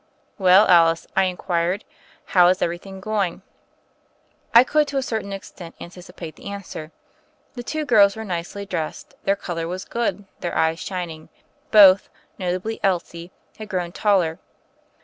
"Well, Alice," I inquired, "how is every thing going?" I could to a certain extent anticipate the answer. The two girls were nicely dressed, their color was good, their eyes shining. Both, nota bly Elsie, had grown taller.